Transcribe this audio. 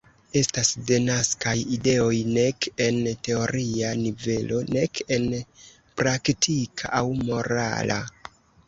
Estas denaskaj ideoj nek en teoria nivelo nek en praktika aŭ morala.